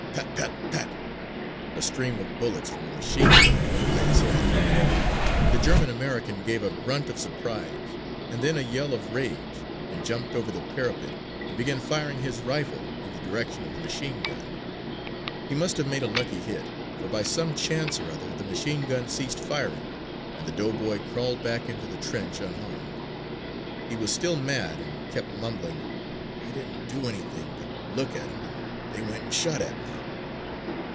"Pat, pat, pat!" a stream of bullets from a machine gun went by his head. The German American gave a grunt of surprise and then a yell of rage and jumped over the parapet and began firing his rifle in the direction of the machine gun. He must have made a lucky hit for by some chance or other the machine gun ceased firing and the doughboy crawled back into the trench unharmed. He was still mad and kept mumbling, "I didn't do anything but look at 'em and they went and shot at me."